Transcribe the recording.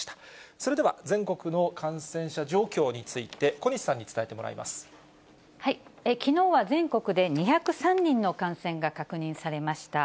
それでは、全国の感染者状況について、小西さんに伝えてもらいまきのうは全国で２０３人の感染が確認されました。